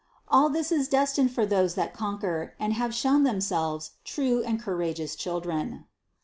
All this is destined for those that conquer and have shown themselves true and courageous children.